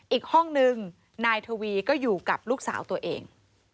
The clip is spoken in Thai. อีกห้องนึงนายทวีก็อยู่กับลูกสาวตัวเอง